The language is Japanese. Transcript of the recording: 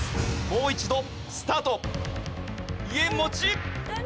もう一度スタート！